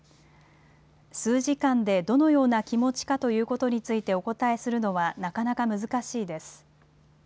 数時間でどのような気持ちかということについてお答えするのはなかなか難しいです。